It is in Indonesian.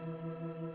setiap senulun buat